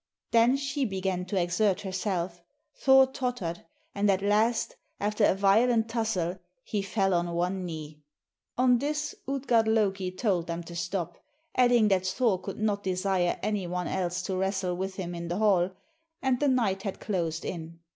Then she began to exert herself, Thor tottered, and at last, after a violent tussle, he fell on one knee. On this Utgard Loki told them to stop, adding that Thor could not desire any one else to wrestle with him in the hall, and the night had closed in.